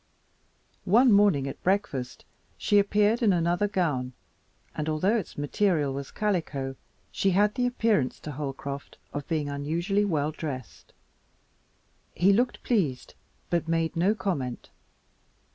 One morning at breakfast she appeared in another gown, and although its material was calico, she had the appearance to Holcroft of being unusually well dressed. He looked pleased, but made no comment.